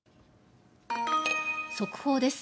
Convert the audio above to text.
速報です。